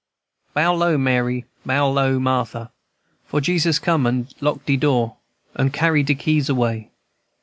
"Bow low, Mary, bow low, Martha, For Jesus come and lock de door, And carry de keys away.